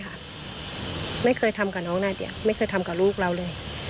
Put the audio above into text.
ไม่เคยทำกับน้องนายเดียวไม่เคยทำกับลูกเราเลย